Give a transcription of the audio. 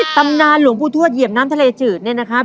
ตำนานหลวงปู่ทวดเหยียบน้ำทะเลจืดเนี่ยนะครับ